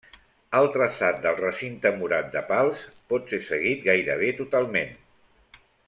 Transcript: El traçat del recinte murat de Pals pot ser seguit gairebé totalment.